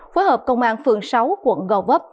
phối hợp công an phường sáu quận gò vấp